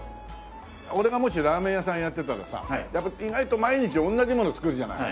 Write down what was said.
俺がもしラーメン屋さんやってたらさやっぱ意外と毎日同じもの作るじゃない。